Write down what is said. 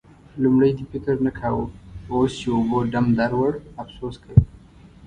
لومړی دې فکر نه کاوو؛ اوس چې اوبو ډم در وړ، افسوس کوې.